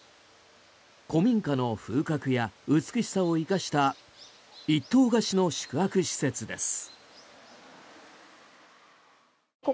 古民家の風格や美しさを生かした１棟貸しの宿泊施設です。